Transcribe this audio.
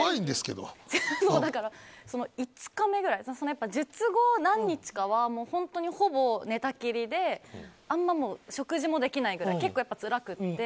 だから５日目ぐらい術後何日かは本当にほぼ寝たきりであんま食事もできないくらい結構やっぱつらくって。